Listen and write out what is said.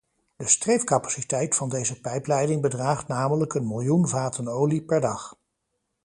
De streefcapaciteit van deze pijpleiding bedraagt namelijk een miljoen vaten olie per dag.